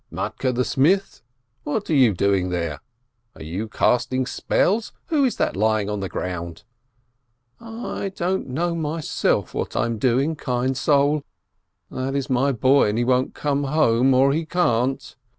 Matke the smith? What are you doing there? Are you casting spells? Who is that lying on the ground?" "I don't know myself what I'm doing, kind soul. That is my boy, and he won't come home, or he can't.